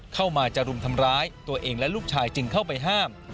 เข้ามาจะรุมทำร้ายตัวเองและลูกชายจึงเข้าไปห้าม